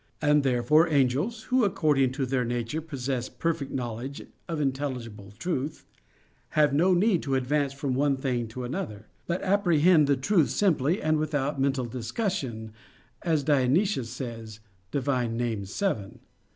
And therefore angels, who according to their nature, possess perfect knowledge of intelligible truth, have no need to advance from one thing to another; but apprehend the truth simply and without mental discussion, as Dionysius says (Div. Nom. vii).